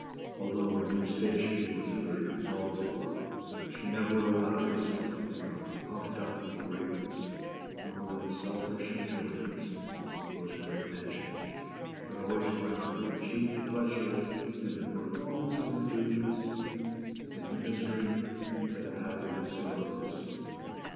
Although her new station was a very exalted one, she never allowed herself to become puffed up with greatness, nor let selfish enjoyments engross her attention, but always found her chief pleasure in the performance of her duties, and in ministering to the happiness of others.